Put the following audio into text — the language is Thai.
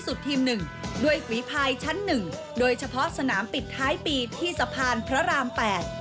ทีมหนึ่งด้วยฝีภายชั้นหนึ่งโดยเฉพาะสนามปิดท้ายปีที่สะพานพระราม๘